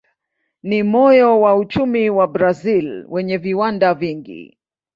Ni moyo wa uchumi wa Brazil wenye viwanda vingi.